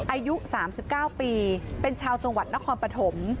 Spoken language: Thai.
อายุสามสิบเก้าปีเป็นชาวจังหวัดนครปฐม